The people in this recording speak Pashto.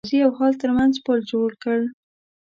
لیک د ماضي او حال تر منځ پُل جوړ کړ.